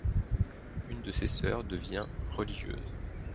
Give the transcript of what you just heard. Une de ses sœurs devient religieuse.